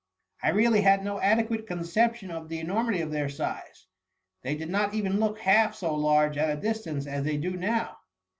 " I really had no adequate conception of the enormity of their size. They did not even look half so large at a distance as they do now.'"